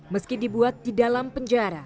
meski dibuat di dalam penjara